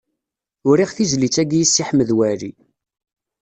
Uriɣ tizlit-agi i Si Ḥmed Waɛli.